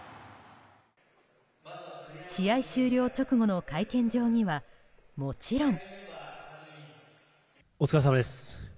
試合終了直後の会見場にはもちろん。